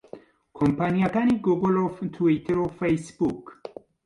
کۆمپانیاکانی گووگڵ و تویتەر و فەیسبووک